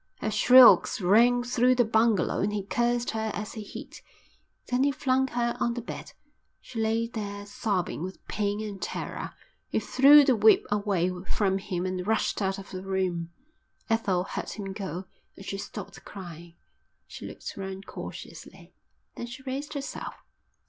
Her shrieks rang through the bungalow and he cursed her as he hit. Then he flung her on the bed. She lay there sobbing with pain and terror. He threw the whip away from him and rushed out of the room. Ethel heard him go and she stopped crying. She looked round cautiously, then she raised herself.